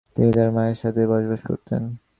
তিনি তার মায়ের সাথেই বসবাস করতেন।